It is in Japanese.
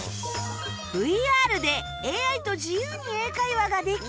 ＶＲ で ＡＩ と自由に英会話ができ